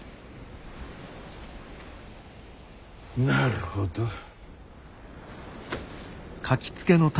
なるほど。